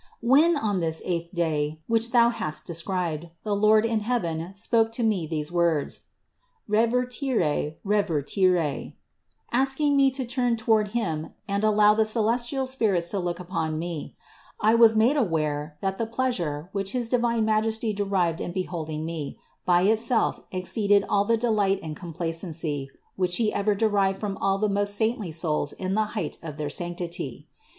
98. When, on this eighth day which thou hast de scribed, the Lord in heaven spoke to me these words : "Revertere, revertere," asking me to turn toward Him and allow the celestial spirits to look upon me; I was made aware, that the pleasure, which his divine Majesty derived in beholding me, by itself exceeded all the de light and complacency, which He ever derived from all the most saintly souls in the height of their sanctity.